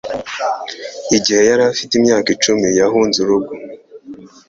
Igihe yari afite imyaka icumi, yahunze urugo.